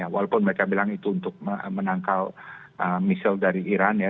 walaupun mereka bilang itu untuk menangkal michelle dari iran ya